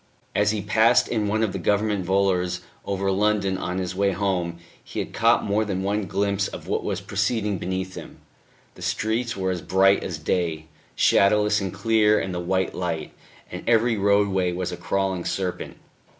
As he passed in one of the Government volors over London on his way home, he had caught more than one glimpse of what was proceeding beneath him. The streets were as bright as day, shadowless and clear in the white light, and every roadway was a crawling serpent.